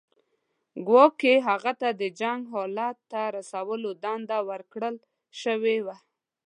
ګواکې هغه ته د جنګ حالت ته رسولو دنده ورکړل شوې وه.